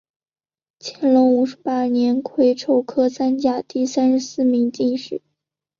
乾隆五十八年癸丑科三甲第三十四名进士。